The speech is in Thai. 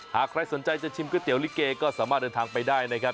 หากใครสนใจจะชิมก๋วเตี๋ลิเกก็สามารถเดินทางไปได้นะครับ